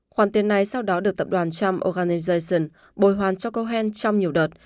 khoản tiền này sau đó được tập đoàn trump organijation bồi hoàn cho cohen trong nhiều đợt